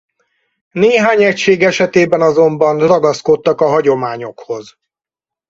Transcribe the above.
Néhány egység esetében azonban ragaszkodtak a hagyományokhoz.